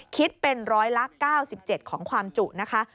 คิดเป็นร้อยละ๙๗ของความจุนะคะ